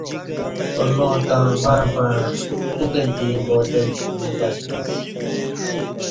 اللہ تݩع وݩع پݩع کُوکہ دی عبادت نہ پسنیسہ